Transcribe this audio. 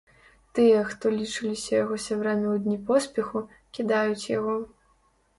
Тыя, хто лічыліся яго сябрамі ў дні поспеху, кідаюць яго.